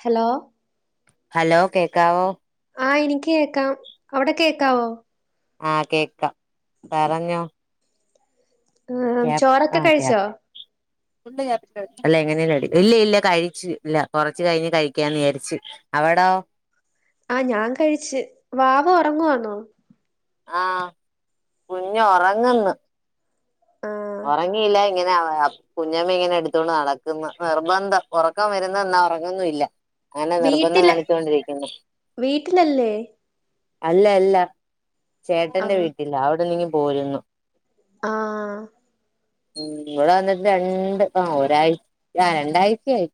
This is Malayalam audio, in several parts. ഹലോ ഹലോ കേക്കാവോ? ആ എനിക്കേക്കാം അവടെ കേക്കാവോ? ആ കേക്കാം പറഞ്ഞോ. ആ ചോറൊക്കെ കഴിച്ചോ? ഇല്ലയില്ല കഴിച്ചുല്ല കൊറച്ച് കഴിഞ്ഞ് കഴിക്കാന്നേരിച്ച്. അവടോ? ആ ഞാൻ കഴിച്ച് വാവ ഒറങ്ങുവാന്നോ? ആ കുഞ്ഞൊറങ്ങന്ന്. ആ ഒറങ്ങീല [unintelligible] കുഞ്ഞമ്മ ഇങ്ങനെ എടുത്തോണ്ട് നടക്ക്ന്ന് നിർബന്ധം ഒറക്കം വരുന്നെന്നാ ഒറങ്ങൊന്നുല്ല. അങ്ങനെ നിർബന്ധം വീട്ടില് കാണിച്ചൊണ്ടിരിക്കുന്നു. വീട്ടിലല്ലേ അല്ല അല്ല ആ ചേട്ടന്റെ വീട്ടിലാ അവിടിന്നിങ്ങ് പോരുന്നു. ആ ഉം ഇവിടെ വന്നിട്ട് രണ്ട് ആ ഒരാ ആ രണ്ടാഴ്ചായി.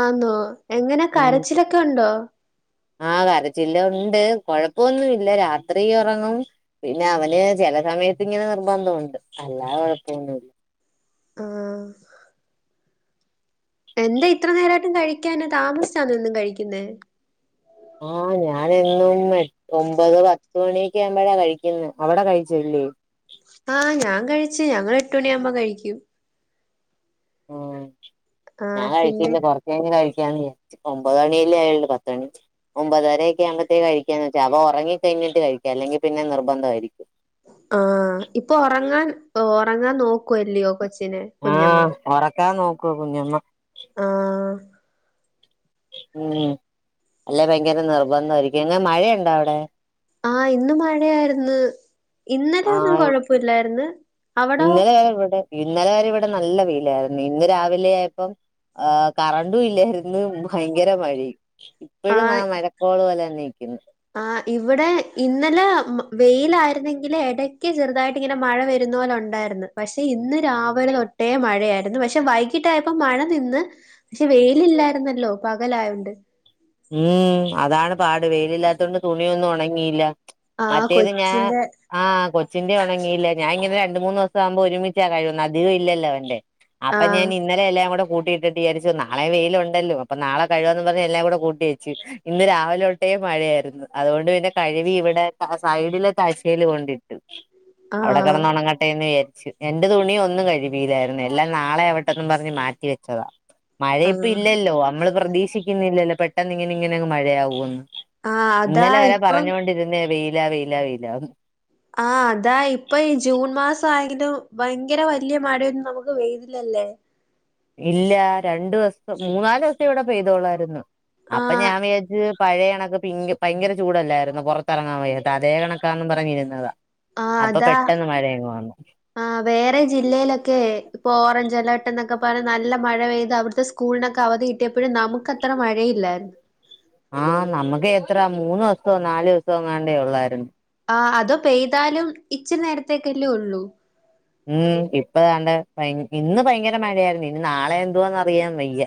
ആന്നോ എങ്ങനെ കരച്ചിലൊക്കെ ഒണ്ടോ? ആ കരച്ചിലോണ്ട് കൊഴപ്പൊന്നുല്ല രാത്രി ഒറങ്ങും പിന്നെ അവന് ചെൽ ചെല സമേത്തിങ്ങനെ നിർബന്ധോണ്ട് അല്ലാതെ കൊഴപ്പൊന്നുല്ല. ആ എന്താ ഇത്ര നേരായിട്ടും കഴിക്കാനെ താമസ്ച്ചാന്നോ എന്നും കഴിക്കുന്നെ? ആ ഞാനെന്നും എട്ട് ഒമ്പത് പത്ത് മണിയൊക്കെ ആവുമ്പഴാ കഴിക്കുന്നെ അവടെ കഴിച്ചഴിഞ്ഞോ? ഉം ആ ഞാൻ കഴിച്ച് ഞങ്ങളെട്ടുമണി ആവുമ്പ കഴിക്കും. ഉം ആ ഞാൻ പിന്നെ കഴിച്ചില്ല കൊറച്ചഴിഞ്ഞ് കഴി ഒമ്പതണിയല്ലേ ആയള്ളൂ. പത്തണി ഒമ്പതരക്കെ ആവുമ്പതേക്ക് കഴിക്കാന്ന് വെച്ച അവ ഒറങ്ങിക്കഴിഞ്ഞ ട്ട് കഴിക്ക അല്ലെങ്കി പിന്നെ നിർബന്ധയിരിക്കും. ഒറങ്ങാൻ നോക്കുവല്ലയോ കൊച്ചിനെ കുഞ്ഞമ്മ. ക്കാൻ നോക്കുവോ കുഞ്ഞമ്മ. ആ...... ! ഉം അല്ലെ ഭയങ്കര നിർബന്ധയിരിക്കും. എങ്ങ മഴയുണ്ടോ അവിടെ? ആഹ് ഇന്ന് മഴയായിരുന്ന്. ഇന്നലെ ഒന്നും ആഹ് കോഴപ്പൂല്ലാരുന്നു. അവിടോ? ഇന്നലെ വരെ ഇവിടെ ഇന്നലെ വരെ ഇവിടെ നല്ല വേലായിരുന്നു. ഇന്ന് രാവിലെ ആയപ്പം ആ കറണ്ടും ഇല്ലായിരുന്നു. ഭയങ്കര മഴേം ഇപ്പഴും ആ മഴക്കോള് പോലെ തന്നെ നിക്കുന്നു ആ ഇവിടെ ഇന്നലെ വെയിലായിയിരുന്നെങ്കിൽ എടക്ക് ചെറുതായിട്ട് ഇങ്ങനെ മഴ വര ന്നോല ഒണ്ടായിര്ന്ന് പക്ഷെ ഇന്ന് രാവിലെ തൊട്ടേ മഴയായിരുന്നു. പക്ഷെ വൈകിട്ടായപ്പോ മഴ നിന്ന് പക്ഷെ വെയിലില്ലായിരുന്നല്ലോ പകലായോണ്ട്. ഉം അതാണ് പാട് വെയിലില്ലാത്തോണ്ട് തുണിയൊന്നും ഒണങ്ങിയില്ല. ആഹ് മറ്റേത് ഞാൻ കൊച്ചിന്റെ ആ കൊ ച്ചിന്റെ ഒണങ്ങില്ല. ഞാ ഇങ്ങന രണ്ട് മൂന്ന്സം ആവുമ്പോ ഒരുമിച്ചാ കഴിവന്ന അതികം ഇല്ലല്ലോ അവന്റെ. അപ്പ ഞാൻ ആഹ് ഇന്നലെ എല്ലാംകുടെ കൂട്ടിയിട്ട്ജാരിചു നാളെ വെയിലുണ്ടല്ലോ അപ്പോ നാളെ കഴുവന്ന് പറഞ്ഞ് എല്ലാംകുട കൂ വെച്ച് ഇന്ന് രാവിലോട്ടേ മഴയായിര്ന്ന്. അതുകൊണ്ട് പിന്നെ കഴിവി ഇവിടെ സൈഡിലത അശെ കൊണ്ടിട്ട് അവട ആഹ് കെടന്ന് ഓണങ്ങട്ടെന്ന് വിയാ ച്ച് എന്റെ തുണി ഒന്നും കഴുവീല്ലാര്ന്നു. എല്ലാം നാളെആവട്ടന്നും പറഞ്ഞ് മാറ്റിവ വെച്ചതാ. മഴ ഇപ്പ ആഹ് ഇല്ലല്ലോ അമ്മള് പ്രതീക്ഷിക്കുന്നില്ലല്ലോ പെട്ടെന്നിങ്ങന ഇങ്ങനെങ്ങ് മഴയാവൂന്ന്. ആഹ് അതാ ഇന്നലെവരെ ഇപ്പം പറഞ്ഞൊണ്ടിരുന്നേ വെയില വെയില വെയിലാന്ന്. ആഹ് അതാ ഇപ്പൊ ഈ ജൂൺ മാസം ആയെങ്കിലും ഭയങ്കര വലിയ മഴൊന്നും നമുക്ക് പെയ്തില്ലല്ലേ. ഇല്ല രണ്ടു ദിവസം മൂന്നാല്ദിവസം ഇവിടെ പെയ്തോളായിരുന്നു. അപ്പൊ ആഹ് ഞാൻ വിയാച്ച് പഴയ കണക്ക് പിങ്ക് ഭയങ്കര ചൂടല്ലായിരുന്ന പുറത്തെറങ്ങാൻ വയ അതേ കണക്കാന്ന് പറഞ്ഞിരുന്നത. അപ്പൊ പെട്ടെന്ന് മഴേങ്ങ ആ വേറെ ജില്ലയിലൊക്കെ ഇപ്പൊ ഓറഞ്ച് അലേർട്ട് എന്നൊക്കെ നല്ല മഴ പെയ്ത് അവിടുത്തെ സ്കൂളിനൊക്കെ അവധിട്ടിയപ്പോഴും നമുക്ക് അത്ര മഴയില്ല. ആ നമുക്ക് എത്ര മൂന്ന് ദിവസവും നാാലു ദിവസോങ്ങണ്ടേ ഒള്ളായിരുന്നു. ആ അത് പെയ്താലും ഇച്ചിരി നേരത്തേക്കല്ലേ ഒള്ളൂ. ഉം ഇപ്പതാണ്ട് ഇന്ന് ഭയങ്കര മഴായിരുന്നു. ഇനി നാളെ എന്തുവാന്ന് അറിയാൻ വയ്യ.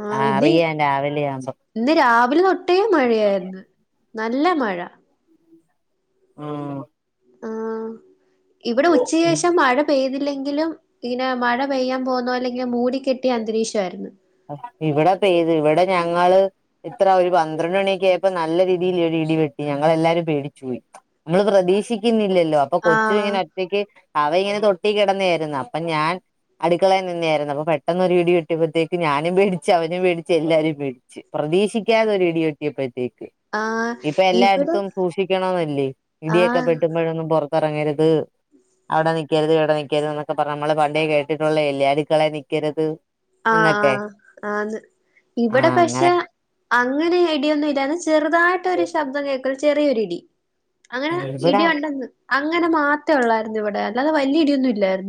ആ ഇത് അറിയാം രാവിലെ ആവുമ്പോ ഇന്ന് രാവിലെ തൊട്ടേ മഴയായിര്ന്നു. നല്ല മഴ. ആ ആ ഇവിടെ ഉച്ച ശേഷം മഴ പെയ്തില്ല ങ്കിലും ഇനെ മഴ പെയ്യപോന്നലെ ഇങ്ങ മൂടിക്കെട്ടിയ അന്തരീഷൊയിരുന്നു. ഇവിടെ പെയ്തു ഇവിടെ ഞങ്ങള് ഇത്ര ഒരു പന്ത്രണ്ട്ണിയൊക്ക ആയപ്പ നല്ല രീതിയിൽഴ് ടി വെട്ടി ഞങ്ങളെല്ലാരും പേടിച്ച് പോയി. നമ്മള് പ്രതീഷിക്കു ഇല്ലല്ലോ അപ്പൊ കൊച്ചു ആഹ് ഇങ്ങനെ ഒറ്റക്ക് അവ ഇങ്ങനെ തൊട്ടി കിടന്നെയിരുന്നു. അപ്പൊ ഞാൻ അടുക്കളയിനിന്നായിരുന്നു അപ്പൊ പെട്ടെന്നോരു ഇടി കിട്ടിയപ്പോഴത്തേക്ക് ഞാനും പേടിച്ച് അവനും പേടിച്ച് എല്ലാരും പേടിച്ച് പ്രതീക്ഷിക്കാതെ ഒരു ഇടിയൊട്ടിയപ്പത്തേക്ക്. ആഹ് ഇപ്പൊ ഇവിടെ എല്ലായിടത്തും സൂക്ഷിക്കണോന്നല്ലേ ഇടിയൊക്കെ ആഹ് പെട്ടുമ്പോഴൊന്നും പൊ പറങ്ങരുത്. അവിടെ നിക്കരുത് ഇവിടെ നിക്കരുത് എന്നൊക്കെ പറഞ് നമ്മള് പണ്ടേ കേട്ടിട്ടുള്ള എല്യേ അട്ക്കളെ നിക്കരുത്. എന്നൊക്കെ ആഹ് ആഹ് ആഹ് ത്. ഇവിടെ ആഹ് അങ്ങനെ പക്ഷെ അങ്ങനെ ഐടിയൊന്നും ഇല്ല ചെറുതായിട്ട് മ ഒരു ശബ്ദം കേൾക്ക ചെറിയൊരിടി അങ്ങനെ ഇവിടെ ഇടി ഒണ്ടെന്ന് അങ്ങനെ മാത്രെ ഒള്ള തിവിടേ അല്ലാത വലിയ ഇടിയൊന്നും ഇല്ലരു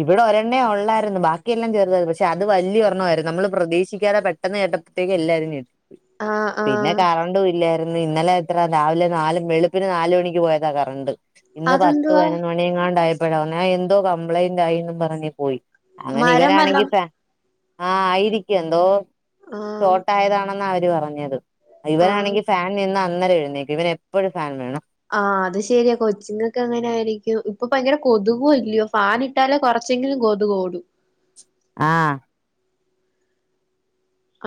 ഇവിടെ ഒരെണ്ണയ ഉള്ളായിരുന്നു ബാക്കി െല്ലാം ചേർു പക്ഷെ അത് വലിയ ഒരെണ്ണ ആരുന്നു നമ്മള് പ്രതീക്ഷിക്കാത പെട്ടെന്ന് കേട്ടത്തേക്ക് എല്ലാവരും ചേ ആഹ് പിന്നെ ആഹ് കറണ്ട ഇല്ല ന്ന് ഇന്നലെ എത്ര രാവിലെ നാലും വെളുപ്പിന് നാലല് മണിക്ക് പോയതാ കറണ്ട് ഇന്ന് പത്ത് അതെന്തുവാ പതിനൊന്ന് മണി എങ്ങാണ്ടായിപ്പോഴാവ ഞാൻ എന്തോ കംപ്ലൈന്റ് ആയിും പറഞ്ഞഞ് പോയി അങ്ങനെ മരം ഇവനണെങ്കി വല്ലം ആഹ ആയിരിക്കും എന്തോ ആഹ് ചഷോട്ടായതണ അവര് പറഞ്ഞത് ആഹ് ഇവനാണെങ്കിൽ ഫാൻ നിന്ന് അന്നരം എഴുന്നേക്കും ഇവന എപ്പോഴും ഫാൻ വേണം ആഹ അത് ശെരിയാ കൊച്ചിങ്ങ ഒക്കെ അങ്ങനെ ആയിരിക്കും ഇപ്പൊ ഭയങ്കര കൊതുകോ ഇല്ലയോ ഫാാന ഇട്ടാലെ കൊറ കുറച്ചെങ്കിലും കൊത ഓടും ആഹ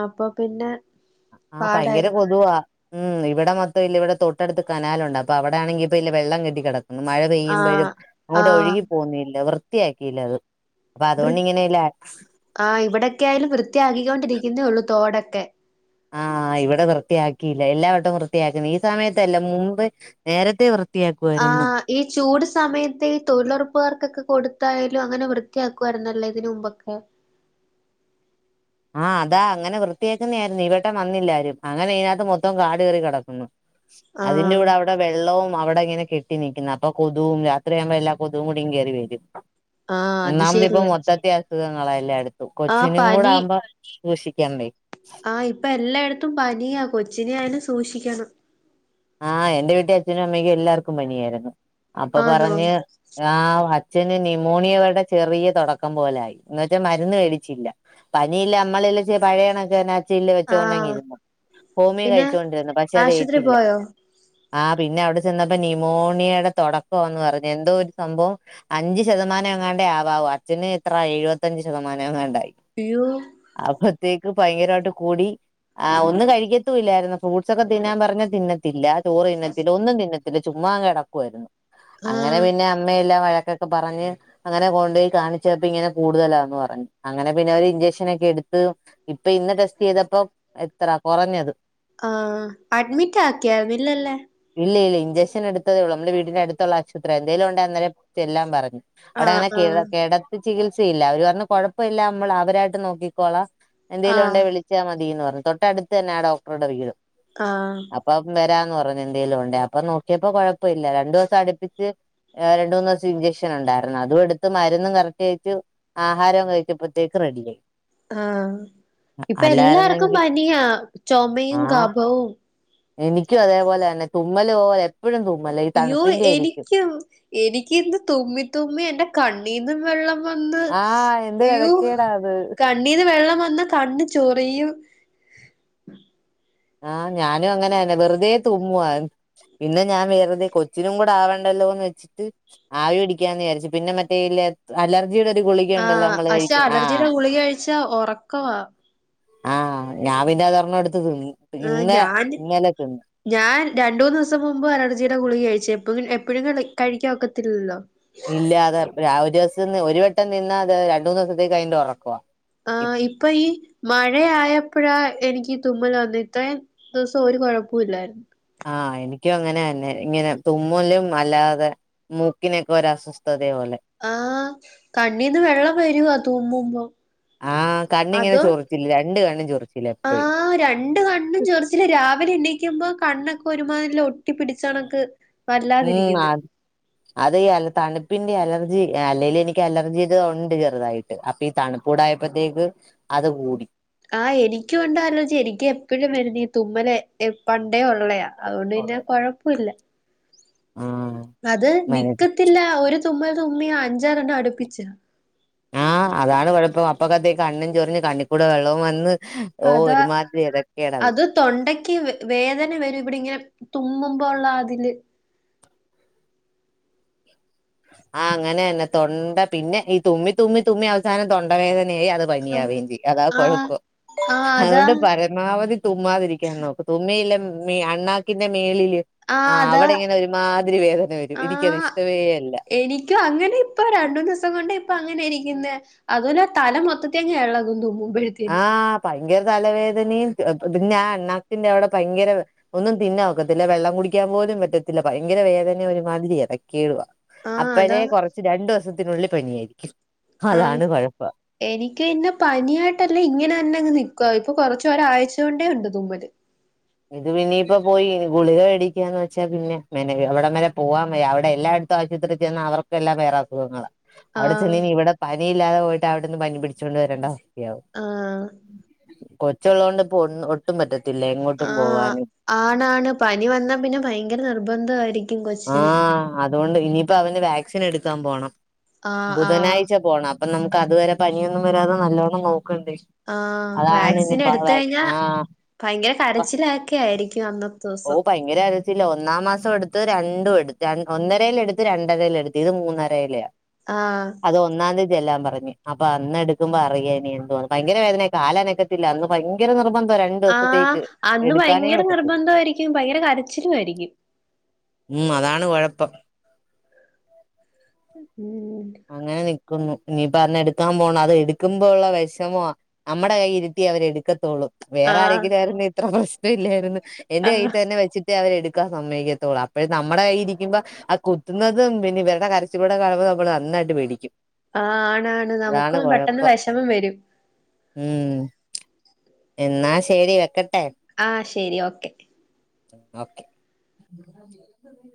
അപ്പൊ പിന്നെ ആഹ ഭയങ്കര പാടായിരിക്കും കൊതുവവാ ഉം ഇവിടെൊം ഇല്ല ഇവിടെ തൊട്ടടുത്ത് കനാലുണ്ട് അപ്പൊ അവിടെ ആണെങ്കിപ്പൊ ഇ വെള്ളം കെട്ടിടക്കും ന്ന് മഴ പെയ്യുമ്പോഴും ആഹ് അങ്ങോട്ട് ആഹ് ഒഴുകി പോന്നല്ല വൃത്തിയാക്കിയില്ല അത് അപ്പൊ വൃ അതുകൊണ്ട് ഇങ്ങനെല്ല ആ ഇവിടെൊക്കെ ആയാലും വൃത്തിയാക്കിക്കൊണ്ടിരിക്കുന്നേ ഉള്ളൂ തോടൊക്കെ ആഹ ഇവിടെ വൃത്തിയാക്കിയില്ല എല്ലാവ വട്ടം വൃത്തിയാക്കുന്നു ഈ സമയത്തല്ല മുമ്പ് നേരത്തെൃ ആ ഈ ചൂട് സമയത്ത് ഈ തൊഴിലുറപ്പുകാർക്കൊക്കെ കൊടു ായാലും അങ്ങനെ വൃത്തിയാക്കുായിരുന്നല്ലോ ഇതിനന് മുമ്പൊക്കെ ആഹ് അതാ അങ്ങനെ വൃത്തിയാക്കുന്ന ആയിരുന്നു ഇവട്ടം വന്നില്ലാരരും അങ്ങനെ അതിനകത്ത് മൊത്തം കാട് കയറി കിടക്കുന്നു അതിന്റെ ആഹ് കൂടെ അവിടെ വെള്ളവും അവിടെ ഇങ്ങനെ കെട്ടി നിക്കുന്ന അപ്പൊ കൊതും രാത്രിയാ്യുമ്പോ എല്ലാ കൊതും കൂടി കയറി വരും ആഹ് അത് നമ ലപ്പ ശരിയാ വത്തത്ത അസുഖങ്ങളെല്ലാം എടുത്തു ആഹ് കൊച്ചിനും കൂടെ ആകുമ്പോ സൂക്ഷിക്കണ്ടേ ആഹ ഇപ്പൊ എല്ലായിടത്തും പനിയാ കൊച്ചിനെ ആയിെ സൂക്ഷിക്കണം ആഹ എന്റെ വീട്ടിൽ അച്ഛനും അമ്മക്കും എല്ലാർക്കും പനിയായിരുന്നു അപ്പൊ ആന്നോ പറഞ്ഞ് ആ അച്ഛന് ന്യമോണിയ വടെ ചെറിയ തുടക്കം പോലൊയി എന്നുവച്ചൽ മരുന്ന് മേടിച്ചില്ല പനിയില്ല നമ്മള് പഴയണൊക്കെെ അച്ചീല് ആഹ് വെച്ചുകോണ്ടെിയിരുന്നു ഹോമിയോ പിന്നെ കഴിച്ചുകൊണ്ടിരുന്നു പക്ഷെ അത് ആശുപത്രി ഏറ്റില്ല പോയോ ആ പിന്നെ അവിടെ ചെന്നപ്പോ ന്യമോണിയയുടെ തുടക്കംന്ന് പറഞ്ഞഞ് എന്തോ ഒരു സംഭവം അഞ്ചു ശതമാനം എങ്ങാണ്ട ആവാാവും അച്ഛന് എത്ര എഴുപത്തഞ്ചച് ശതമാനം എങ്ങാണ്ടായി അയ്യോ അപ്പത്തേ ഭയങ്കരമായിട്ട് കൂടി ആ ഒന്നും കഴിക്കത്തല്ലായിരുന്നു ഫ്രൂട്ട്സ് ഒക്കെ തിന്നാൻ പറഞ്ഞ തിന്ന ല്ല ചോറ് ഇന്നത്തില് ഒന്നും ഇന്നത്തിൽ ചുമ്മാ കിടക്കുായിരുന്നു അങ്ങനെ ആഹ് പിന്നെ അമ്മയെല്ലാം ൊക്കെ പറഞ്ഞ് അങ്ങെ കൊു പോോയി കാണിച്ചപ്പപ്പോ ഇങ്ങനെ കൂടുതലാന്ന് പറഞ്ഞു അങ്ങനെ പിന്നെ അവര് ഇഞ്ചക്ഷൻന ഒക്കെ എടു ഇപ്പ ഇന്ന് ടെസ്റ്റ് ചെയ്തപ്പോ എത്ര കുറഞ്ഞത് ആഹ അഡ്മിറ്റ് ആക്കിയവില്ലല്ലേ ഇല്ല ഇല്ല ഇഞ്ചെൻടുത്തേ ഉള്ളൂ നമ്മ വീടിന്റെ അടുത്തുള്ള ആശുപത്രി എന്തേലുംൊണ്ട് അന്നേെ എല്ലാം പറഞ്ഞു അവിടെ ആഹ് അങ്ങനെ ആഹ് ക കിടത്ത് ചികിത്സയില്ല അവര് പറഞ്ഞ കൊഴപ്പമ ഇില്ല നമ്മൾ അവരായിട്ട് നോക്കിക്കോളാ എന്തേങ്കലും ആഹ് ഉണ്ടേ വിളിച്ചാ മതിീന്ന് പറഞ്ഞു തൊട്ടടുത്ത് തന്നെ ആ ഡോക്ടറുടെ വീടും ആഹ അപ്പൊ വരാന്ന് പറഞ്ഞു എന്തേലും കൊണ്ടേ അപ്പൊ നോക്കിയപ്പോ കൊഴപ്പ ഇില്ല രണ്ടു ദിവസം അടുപ്പിച്ച് രണ്ട മൂന്നു ദിവസം ഇൻചക്ഷൻ ഉണ്ടായിരുന്നു അതും എടുത്ത് മന്ന്ും കറക്റ്റ് അഴു ആഹാരം കഴിച്ചപ്പോഴത്തേക്ക്ും റെഡിയ ആഹ ഇപ്പൊ എല്ലാർക്കും അല്ലായിരുന്നെങ്കിൽ പനിയാ ചുമുമയും ആഹ് കപവും എനിക്കും അതേപോലെ തന്നെ തുമ്മല് പോലെ എപ്പോഴും തുമ്മലാ ഈ അയ്യോ തണുപ്പിന്റെ ആയിരിക്കും എനിക്ക്ും എനിക്ക് ഇന്ത് തുമ്മി തുമ്മി എ്ന്റെ കണ്ണീന്ന് ഇും വെള്ളം വന്ന് ആഹ് എന്തൊരു യ്യോ എനക്കേടാ അത് കണ്ണീന്ന് വെള്ളം വന്നാ കണ്ണ് ചൊറിയും ആഹ് ഞാനും അങ്ങനെയന്നെ വെറ്തെ തുമ്മുവാ പിന്നെ ഞാൻ വെറുതെ കൊച്ചിനും കൂടെ ആവണ്ട ല്ലോന്ന് വെച്ചിട്ട് ആവി പിടിക്കാന്ന് വിചാരിച്ച് പിന്നെ മറ്റേ ഇല്ലേ അലർ ജീടെ ഒരു ഗുളിക ഉണ്ടല്ലോ ആഹ് നമ്മൾ പക്ഷെ കഴിക്കു അലർജിയുടെ ആഹ് ഗുളിക കഴിച്ചാ ഉറക്കവാ ആഹ് ഞാൻ പിന്നെ അതൊരെണ്ണടത്ത് തി ഏ ഞാന് ഞാൻ രണ്ടൂന്ന് ദിസം മുമ്പ് അലർജിയുടെ ഗുളിക കഴിച്ചേ പ്പപിന്നെ എപ്പഴും കഴിക്കാൻ ഒക്കത്തില്ലല്ലോ ഇല്ലാ അത്‌ എപ്പഴും ആ ഒരൂസംന്ന് ഒരു വട്ടം തിന്നാ അത്‌ രണ്ടൂന്ന് ദിസത്തേക്ക് അയ്ന്റെ ഒറക്കവാ ആഹ് ഇപ്പ ഈ മഴ ആയപ്പഴാ എനിക്കി തുമ്മല് വന്ന് ഇത്രേം ദിവസം ഒരു കൊഴ്പുല്ലായിരുന്നു ആഹ് എനിക്കും അങ്ങനെന്നെ ഇങ്ങനെ തുമ്മലും അല്ലാതെ മൂക്കിനൊക്കെ ഒരസ്വസ്ഥത ആഹ് കണ്ണിന്ന് വെള്ളം വരുവാ തുമ്മുമ്പോ ആഹ് കണ്ണിങ്ങനെ അതോ ചൊറിച്ചിൽ രണ്ട് കണ്ണും ചൊറിച്ചിൽ ആഹ് രണ്ട് കണ്ണും ചൊറിച്ചില് രാവിലെ ണീക്കുമ്പോ കണ്ണൊക്കെ ഒരുമാതിലെ ഒട്ടിപിടിച്ചണക്ക് ഉം ആത് അതെ ഈ അൽ തണുപ്പ് പ്പിന്റെ അലർജി ഏ അല്ലേലും എനിക്ക് അലർജിടെതുണ്ട് ചെറുതായിട്ട് അപ്പൊ ഈ തണുപ്പൂടായപ്പോയ്ത്തേക്ക് അത് കൂടി ആഹ് എനിക്കൂണ്ട് അലർജി എനിക്ക് എപ്പഴും വരുന്നീ ഈ തുമ്മല് ഏഹ് പ ണ്ടേ ഒള്ളയാ അത്കൊണ്ട് പിന്നെ കൊഴ്പ്പൊല്ല ആഹ് അത് മന നിക്കത്തില്ല ഒരു തുമ്മൽ തുമ്മിയാ അഞ്ചാറണ്ണം അടുപ്പിച്ച് ആഹ് അതാണ് കൊഴപ്പം അപ്പത്തേക്ക് കണ്ണും ചൊറിഞ്ഞ് കാണിക്കൂടെവെള്ളവും വന്ന് ഓ അതാ ഒരുമാതിരി ഇതൊക്കെയടാ പിന്നെ അത്‌ തൊണ്ടക്ക് വേദന വരും ഇവിടിങ്ങനെ തുമ്മുമ്പോള്ള ആതില് ആഹ് അങ്ങനേന്നെ തൊണ്ട പിന്നെ ഈ തുമ്മി തുമ്മി അവസാനം തോണ്ട വേദന നീ അത്‌ ആഹ് ഭംഗിയാവുകയും ചെയ്യും അതാകൊഴപ്പം ആഹ് അതാ അതുകൊണ്ട് പരമാവതി തുമ്മമാതിരിക്കാൻ നോക്ക് തുമ്മിയില്ല [unintelligible] അണ്ണാക്കിന്റെ മേലിൽ യ്യോ ആ ആഹ് അതാ അവിടെങ്ങനെ ഒരുമാതിരി വേദന വരും എനിക്കതിഷ്ടമേ അല്ല എനിക്ക് അങ്ങനെ ഇപ്പൊ രണ്ടൂന്ന് ദിവസം കൊണ്ട് ഇപ്പ അങ്ങനെ ഇരിക്കുന്നേ അതുല്ലാ തല മൊത്തത്തി അങ്ങെ എളകും തുമ്മുമ്പോ ആഹ് ഭയങ്ക തലവേദനയും പിന്നെ ആ അണ്ണാക്കിന്റെ അവിടെ ഭയങ്കര ഒന്നും തിന്നമൊക്കത്തില്ല വെള്ളം കുടിക്കാൻ പോ പറ്റത്തില്ല ഭയങ്കര വേദന ഒരുമാതിരിയ ഏതക്കെടുവാ. ആഹ് അതാ അപ്പനെ കൊറച്ച് രണ്ടു ദിവസത്തിനുള്ളിൽ പനിയായിരിക്കും. ആ അതാണ് കുഴപ്പം എനിക്ക് പിന്നെ പനിയായി ട്ടല്ലേ ഇങ്ങനെ തന്നെ അങ്ങ് നിക്ക ഇപ്പൊ കൊറച്ചരാഴ്ച്ച കൊണ്ടേ ഉണ്ട് തുമ്മല്. ഇത് ഇനിയിപ്പോ പോയി ഗുളിക മേടിക്കുകന്ന് വെച്ചാ പിന്നെ മേനക എവിടം വരെ പോവാൻ അവിടെ എല്ലായിടത്തും ആശൂത്രീൽ ചെന്ന അവർക്കെല്ലാം വേറെ അസുഖങ്ങള. അവിടെ ആഹ് ചെന്നനി ഇവിടെ പനിയില്ലാതെ പോയിട്ട് അവിടൊന്ന് പനി പിടിച്ചുകൊണ്ട് വരണ്ടോ ആഹ് കൊച്ചുള്ളോണ്ട് ഇപ്പോ ഒന്ന് ഒട്ടും പറ്റത്തില്ലേ ആഹ് ആണാണ് പനി വന്നാ പിന്നെ ഭയങ്കര നിർബന്ധമായിരിക്കും കൊച്ചിന് ആഹ് അതുകൊണ്ട് ഇനിയിപ്പോ അവന് വാക്സിൻ എടുക്കാൻ പോണം ആഹ് ആഹ് ബുധനാഴ്ച പോണം. അപ്പ നമുക്ക്തുവരെ പണിയൊന്നും വരാതെ നല്ലോണം നോ ക്കണ്ട് ആഹ് അതാണ് ഇനി വാക്സിൻ ബ എടുത്ത് വാ കഴിഞ്ഞാ ആഹ്. ഭയങ്കര കരച്ചിലൊക്കെ ആയിരിക്കും അന്നത്തെ ഓ ദിവസം ഭയങ്കര [unintelligible] ഒന്നാം മാസം എടുത്തൊരാ രണ്ടും എടുത്ത് ഒന്നരെൽ എടുത്ത് രണ്ടരെൽ എടുത്ത് ഇത് മൂന്നരെയിലെയാ ആഹ് അത് ഒന്നാം തീതി എല്ലാം പറഞ്ഞു അപ്പൊ അന്ന് എടുക്കുമ്പോ അറിയെനി എന്തുവാന്ന് ഭയങ്കര വേദനയ കാലാനക്കത്തില്ല അന്ന് ഭയങ്കര നിർബൻ ഇപ്പ രണ്ടു ആഹ് ദിവസത്തേക്ക് അന്ന് എടുക്കാനേ ഭയങ്കര പറ്റത്തില്ല നിർബന്ധമായിരിക്കും ഭയങ്കര കരച്ചിലും ആയിരിക്കും. എപ്പോ? ഉം അങ്ങനെ നിക്കുന്നു നീ പറഞ്ഞ എടുക്കാൻ പോണം അത് എടുക്കുമ്പോ ഉള്ള വിഷമോ നമ്മുടെ കൈ ഇരുട്ടി അവരെ എടുക്കത്തൊുള്ളൂ വേറെ ആഹ് ആരെങ്കിലും ആരുന്നു ഇത്ര പ്രശ്നം ഇല്ലായിരുന്നു എറെ ആഹ് കയ്യിട്ട് തന്നെ വെച്ചിട്ട് അവരെ എടുക്കാൻ സമ്മയക്കത്തുള്ളൂ അപ്പോഴും നമ്മുടെ കയ്യി ഇരിക്കുമ്പോ ആ കുത്തുന്നതും പിന്നെ ഇവടെ കരച്ചിലൂടെ കളവ് നമ്മൾ ന്നായിട്ട് ആ ആണ് ആണ് നമുക്കും പെട്ടെന്ന് വെഷമം വെരും. ഉം എന്നാ ശെരി വെക്ക ആ ശെരി ഓക്കെ. ഓക്കെ.